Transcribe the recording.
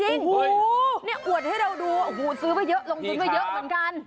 เนี่ยอวดให้เราดูโอ้โหซื้อมาเยอะลงทุนมาเยอะเหมือนกัน